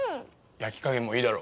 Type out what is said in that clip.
焼き加減もいいだろ？